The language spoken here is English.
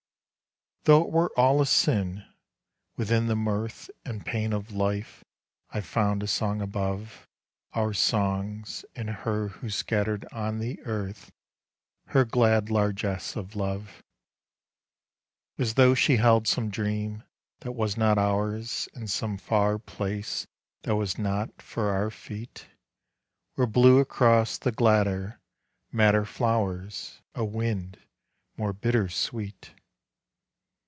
Though it were all a sin, within the mirth And pain of life I found a song above Our songs, in her who scattered on the earth Her glad largesse of love ; 56 FOR HE HAD GREAT POSSESSIONS As though she held some dream that was not ours In some far place that was not for our feet, Where blew across the gladder, madder flowers A wind more bitter sweet.